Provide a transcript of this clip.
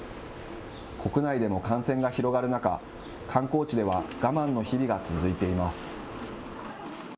国内でも感染が広がる中、観光地では我慢の日々が続いています。